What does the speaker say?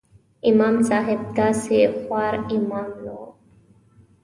امام صاحب داسې خوار امام نه و.